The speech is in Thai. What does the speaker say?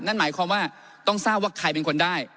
นั่นหมายความว่าต้องทราบว่าใครเป็นคนได้